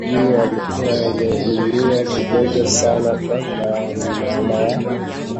Junior alikuwa ameumia kidogo sana kwa maana ya